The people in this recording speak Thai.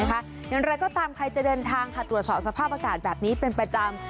อย่างไรก็ตามใครจะเดินทางตรวจสอบสภาพอากาศแบบนี้เป็นประจำ